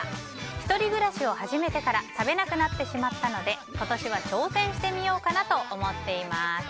１人暮らしを始めてから食べなくなってしまったので今年は挑戦してみようかなと思っています。